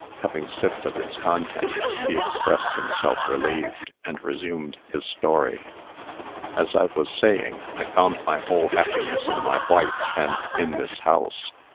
Having sipped of its contents, he expressed himself relieved, and resumed his story: "As I was saying, I found my whole happiness in my wife, and in this house.